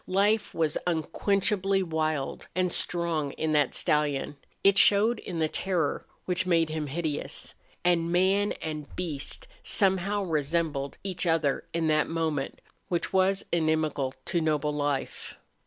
Life was unquenchably wild and strong in that stallion; it showed in the terror which made him hideous. And man and beast somehow resembled each other in that moment which was inimical to noble life.